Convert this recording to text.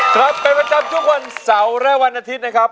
เป็นประจำทุกคนเสาระวันอาทิตย์นะครับ